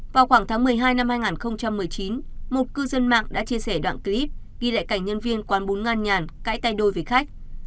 vào khoảng tháng một mươi hai năm hai nghìn một mươi chín một cư dân mạng đã chia sẻ đoạn clip ghi lại cảnh nhân viên quán bún ngan nhàn cãi tay đôi với khách